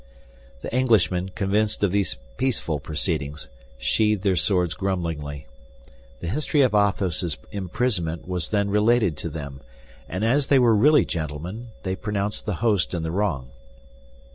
The Englishmen, convinced of these peaceful proceedings, sheathed their swords grumblingly. The history of Athos's imprisonment was then related to them; and as they were really gentlemen, they pronounced the host in the wrong.